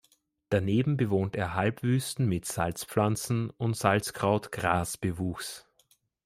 Daneben bewohnt er Halbwüsten mit Salzpflanzen- und Salzkraut-Gras-Bewuchs.